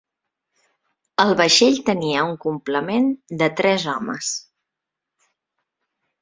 El vaixell tenia un complement de tres homes.